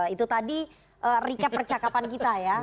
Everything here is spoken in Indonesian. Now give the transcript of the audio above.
itu tadi recap percakapan kita ya